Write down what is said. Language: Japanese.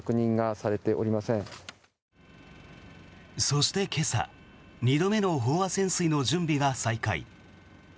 そして今朝２度目の飽和潜水の準備が再開。